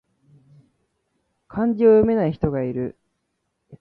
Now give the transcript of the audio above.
漢字を読めない人がいる